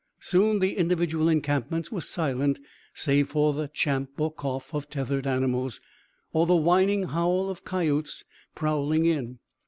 Soon the individual encampments were silent save for the champ or cough of tethered animals, or the whining howl of coyotes, prowling in.